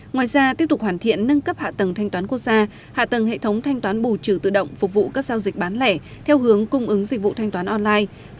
ngoài ra tiếp tục hoàn thiện nâng cấp hạ tầng thanh toán quốc gia hạ tầng hệ thống thanh toán bù trừ tự động phục vụ các giao dịch bán lẻ theo hướng cung ứng dịch vụ thanh toán online